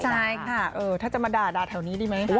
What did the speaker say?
ใช่ค่ะถ้าจะมาด่าแถวนี้ดีไหม